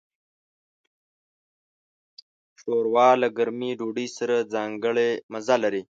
ښوروا له ګرمې ډوډۍ سره ځانګړی مزه لري.